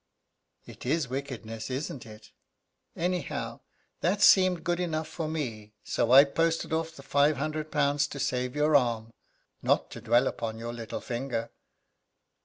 "It is wickedness, isn't it? Anyhow, that seemed good enough for me; so I posted off the five hundred pounds to save your arm not to dwell upon your little finger."